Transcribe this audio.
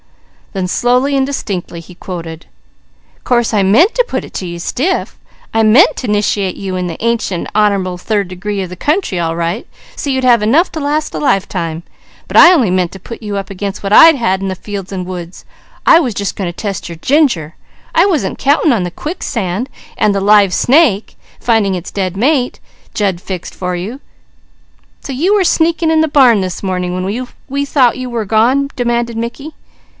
Then slowly and distinctly he quoted: "Course I meant to put it to you stiff; I meant to 'niciate you in the ancient and honourable third degree of the Country all right, so's you'd have enough to last a lifetime; but I only meant to put you up against what I'd had myself in the fields and woods; I was just going to test your ginger; I wasn't counting on the quicksand, and the live snake, finding its dead mate Jud fixed for you." "So you were sneaking in the barn this morning, when we thought you were gone?" demanded Mickey.